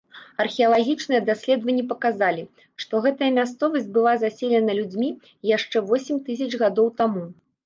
Археалагічныя даследаванні паказалі, што гэтая мясцовасць была заселена людзьмі яшчэ восем тысяч гадоў таму.